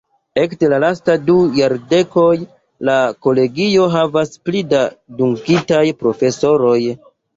Ekde la lastaj du jardekoj, la kolegio havas pli da dungitaj profesoroj.